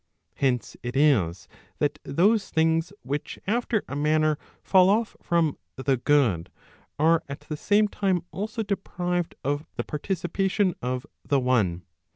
Hence it is that those things which after a manner fall off from the goody are at the same time also deprived of the participation of the one.